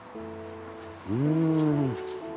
うん。